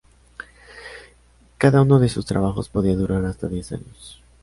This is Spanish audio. Cada uno de sus trabajos podía durar hasta diez años.